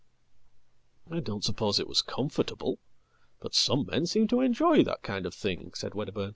""I don't suppose it was comfortable, but some men seem to enjoy that kindof thing," said Wedderburn.